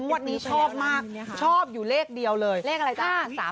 วันนี้ชอบมากชอบอยู่เลขเดียวเลยเลขอะไรจ้า